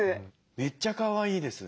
めっちゃかわいいです。